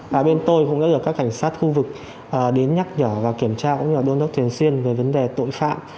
và bên tôi cũng đã được các cảnh sát khu vực đến nhắc nhở và kiểm tra cũng như là đôn thất thiền xuyên về vấn đề tội phạm